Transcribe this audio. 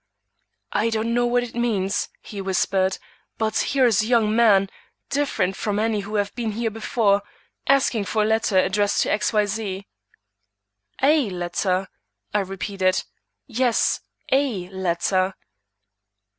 "I don't know what it means," he whispered; "but here is a young man, different from any who have been here before, asking for a letter addressed to X. Y. Z." "A letter?" I repeated. "Yes, a letter."